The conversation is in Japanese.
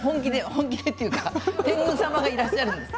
本気で天狗様がいらっしゃるんです。